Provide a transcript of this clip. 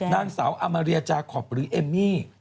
นางสาวอามาเรียจาคอปหรือเอมมี่